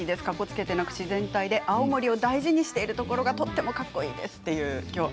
かっこつけてなく自然体で青森を大事にしているところがとてもかっこいいですと。